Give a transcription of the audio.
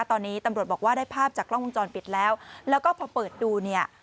ตอนนี้ตำรวจบอกว่าได้ภาพจากกล้องวงจรปิดแล้วแล้วก็พอเปิดดูเนี่ย